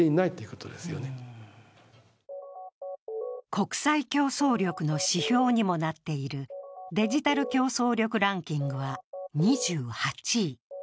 国際競争力の指標にもなっているデジタル競争力ランキングは２８位。